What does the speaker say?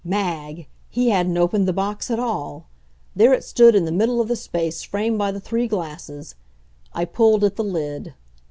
Mag! He hadn't opened the box at all! There it stood in the middle of the space framed by the three glasses. I pulled at the lid.